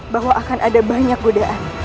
bahwa akan ada banyak godaan